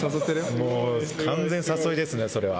もう完全に誘いですね、それは。